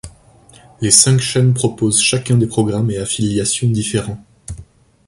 Les cinq chaînes proposent chacun des programmes et affiliations différents.